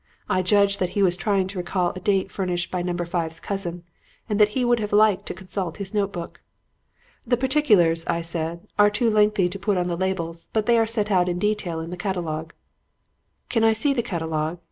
I judged that he was trying to recall a date furnished by Number Five's cousin and that he would have liked to consult his note book. "'The particulars,' I said, 'are too lengthy to put on the labels, but they are set out in detail in the catalogue.' "'Can I see the catalogue?'